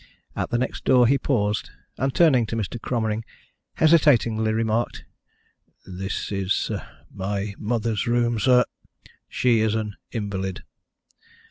At the next door he paused, and turning to Mr. Cromering hesitatingly remarked: "This is my mother's room, sir. She is an invalid."